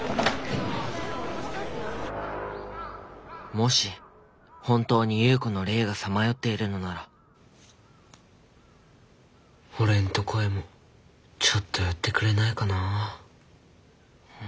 もし本当に夕子の霊がさまよっているのならおれんとこへもちょっと寄ってくれないかなあ。